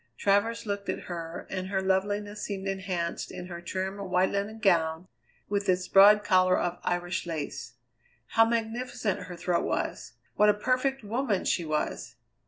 Travers looked at her, and her loveliness seemed enhanced in her trim white linen gown with its broad collar of Irish lace. How magnificent her throat was! What a perfect woman she was!